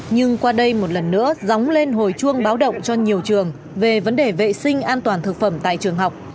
nhưng qua đây một lần nữa gióng lên hồi chuông báo động cho nhiều trường về vấn đề vệ sinh an toàn thực phẩm tại trường học